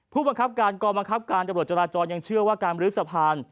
ผู้บังคับการกองบังคับการตำรวจจราจรยังเชื่อว่าการบรื้อสะพาน